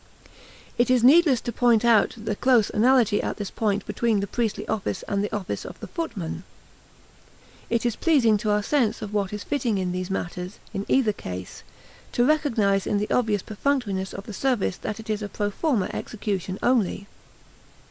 It is needless to point out the close analogy at this point between the priestly office and the office of the footman. It is pleasing to our sense of what is fitting in these matters, in either case, to recognize in the obvious perfunctoriness of the service that it is a pro forma execution only.